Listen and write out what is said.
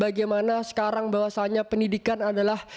bagaimana sekarang bahwasannya pendidikan adalah